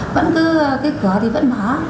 cái cửa thì vẫn mở